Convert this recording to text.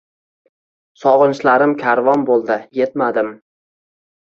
sogʼinchlarim karvon boʼldi, yetmadim